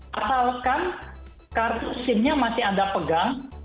asalkan kartu sim nya masih anda pegang